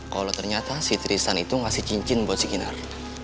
kalau ternyata si tristan itu ngasih cincin buat si kinar